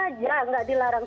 jadi boleh saja tidak dilarang